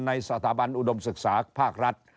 ในสถาบันอุดมศึกษาภาครัฐ